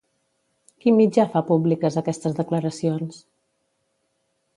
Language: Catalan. Quin mitjà fa públiques aquestes declaracions?